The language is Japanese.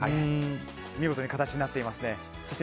見事に形になっていますね。